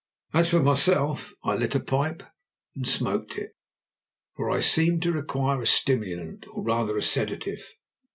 As for myself, I lit a pipe and smoked it, for I seemed to require a stimulant, or, rather, a sedative.